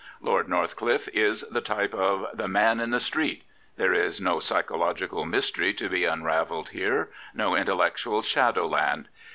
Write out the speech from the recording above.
Lord Northcliffe is the type of ' the man in the street.' There is no psychological mystery to be unravelled here, no intellectual shadow land.